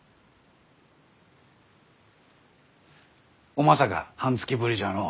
おマサか半月ぶりじゃのう。